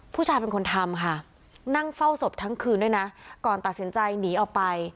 ผู้ชายเป็นคนทำค่ะนั่งเฝ้าศพทั้งคืนด้วยนะก่อนตัดสินใจหนีออกไป